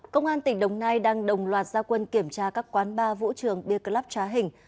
công an tỉnh đồng nai đang đồng loạt gia quân kiểm tra các quán bar vũ trường beer club trá hình